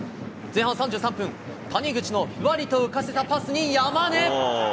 前半３３分、谷口のふわりと浮かせたパスに山根。